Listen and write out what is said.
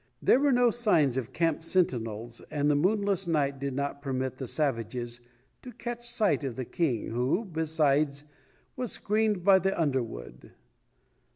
There were no signs of camp sentinels and the moonless night did not permit the savages to catch sight of the King who, besides, was screened by the underwood.